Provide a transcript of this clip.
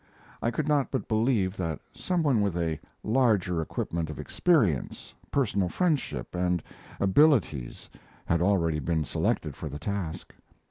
I could not but believe that some one with a larger equipment of experience, personal friendship, and abilities had already been selected for the task.